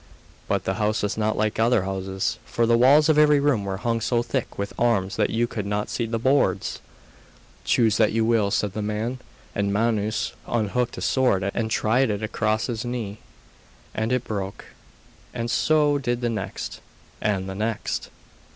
But the house was not like other houses, for the walls of every room were hung so thick with arms that you could not see the boards. 'Choose what you will,' said the man; and Manus unhooked a sword and tried it across his knee, and it broke, and so did the next, and the next.